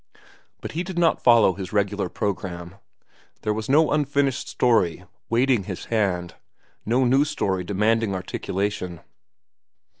But he did not follow his regular programme. There was no unfinished story waiting his hand, no new story demanding articulation.